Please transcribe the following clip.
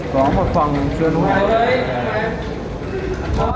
có một phòng chuyên hút thuốc